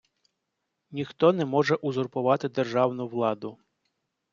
Ніхто не може узурпувати державну владу.